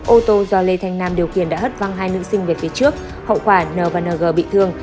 ô tô do lê thanh nam điều khiển đã hất văng hai nữ sinh về phía trước hậu quả n và ng bị thương